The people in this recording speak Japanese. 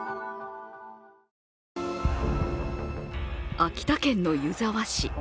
秋田県の湯沢市。